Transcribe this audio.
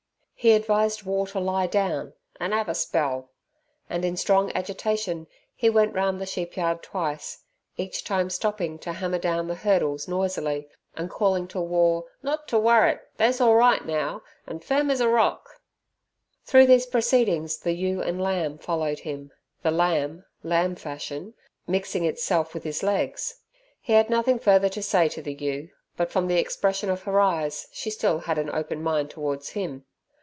He advised War to lie down "an' 'ave a spell", and in strong agitation he went round the sheep yard twice, each time stopping to hammer down the hurdles noisily, and calling to War not to "worrit; they's orlright now, an' firm as a rock." Through these proceedings the ewe and lamb followed him, the lamb lamb fashion mixing itself with his legs. He had nothing further to say to the ewe, but from the expression of her eyes she still had an open mind towards him.